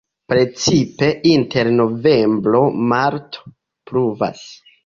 Precipe inter novembro-marto pluvas.